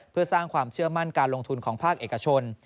เพื่อสร้างความเชื่อมั่นการลงทุนของภาคเอกชน